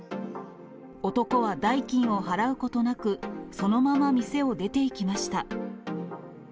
男は代金を払うことなく、そのまま店を出ていきました。